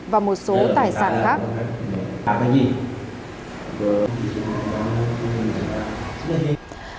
và một số tài sản khác